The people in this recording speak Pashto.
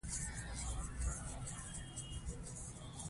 هغه د موخو لیکلو اهمیت بیان کړ.